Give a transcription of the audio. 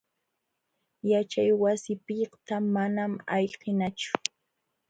Yaćhay wasipiqta manam ayqinachu.